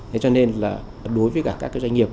thế cho nên là đối với cả các doanh nghiệp